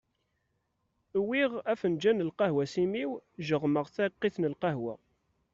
Uwiɣ afenǧal n lqahwa s imi-w, jeɣmeɣ tiqqit n lqahwa.